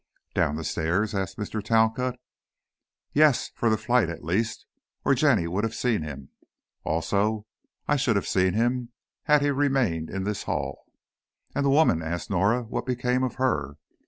"Down the stairs?" asked Mr. Talcott. "Yes, for the flight, at least, or Jenny would have seen him. Also, I should have seen him, had he remained in this hall." "And the woman?" asked Norah, "what became of her?"